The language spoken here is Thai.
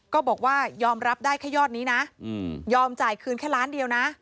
ก็บอกว่ายอมรับได้แค่ยอดนี้นะยอมจ่ายคืนแค่ล้านเดียวนะ